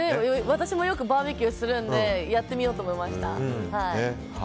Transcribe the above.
私もよくバーベキューするのでやってみようと思いました。